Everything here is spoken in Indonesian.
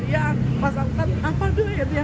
ya pas angkat apa doanya